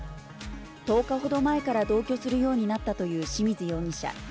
１０日ほど前から同居するようになったという志水容疑者。